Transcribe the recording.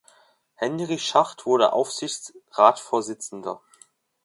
Henry Schacht wurde Aufsichtsratsvorsitzender.